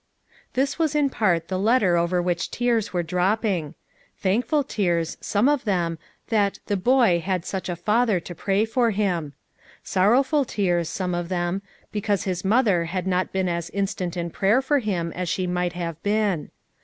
'' This was in part the letter over which tears were dropping. Thankful tears, some of them, that "the boy" had such a father to pray for FOUR MOTHERS AT CHAUTAUQUA 333 him. Sorrowful tears, some of them, because his mother had not been as instant in prayer for him as she might have been.